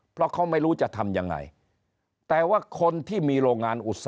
เพราะเขาไม่รู้จะทำยังไง